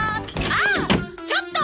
ああっちょっと！